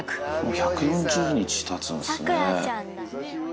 １４０日たつんですね。